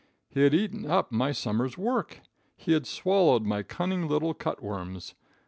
He had eaten up my summer's work! He had swallowed my cunning little cut worms.